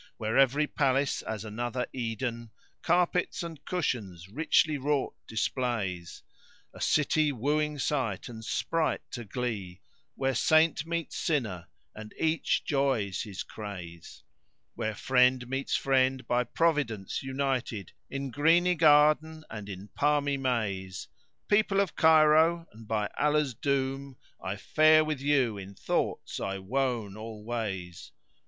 Where every palace, as another Eden, * Carpets and cushions richly wrought displays; A city wooing sight and sprite to glee, * Where Saint meets Sinner and each 'joys his craze; Where friend meets friend, by Providence united * In greeny garden and in palmy maze: People of Cairo, and by Allah's doom * I fare, with you in thoughts I wone always!